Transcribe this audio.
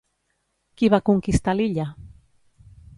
Qui va conquistar l'illa?